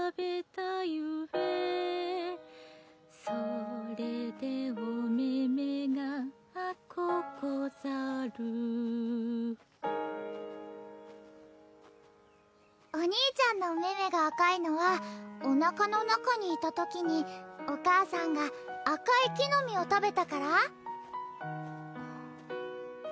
「それでお目々が赤うござる」お兄ちゃんのお目々が赤いのはおなかの中にいたときにお母さんが赤い木の実を食べたから？